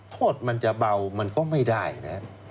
โทษมันจะเบามันก็ไม่ได้นะ